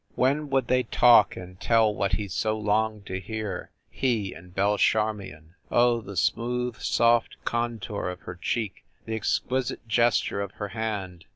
When would they talk and tell what he so longed to hear, he and Belle Charmion? Oh, the smooth, soft contour of her cheek, the exquisite gesture of her hand!